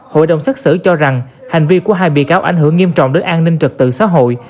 hội đồng xét xử cho rằng hành vi của hai bị cáo ảnh hưởng nghiêm trọng đến an ninh trật tự xã hội